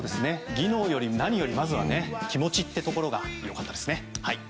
技能より何より気持ちというところが良かったですね。